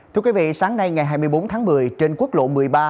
thưa quý vị sáng nay ngày hai mươi bốn tháng một mươi trên quốc lộ một mươi ba